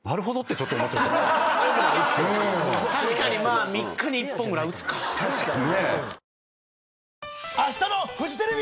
確かに３日に１本ぐらい打つか。